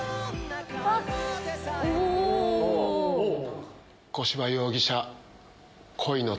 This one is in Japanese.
おおおお。